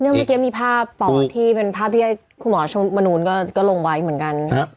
เนี่ยเมื่อกี้มีฝ้าปอกที่เป็นฝ้าเพี้ยคุณหมอชมนูนก็ลงไว้เหมือนกัน